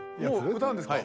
もう歌うんですか？